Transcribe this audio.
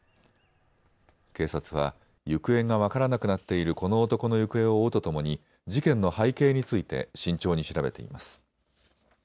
警察は行方が分からなくなっているこの男の行方を追うとともに事件の背景について慎重に調べています。